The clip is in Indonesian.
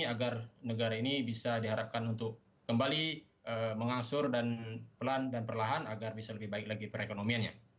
agar negara ini bisa diharapkan untuk kembali mengasur dan pelan dan perlahan agar bisa lebih baik lagi perekonomiannya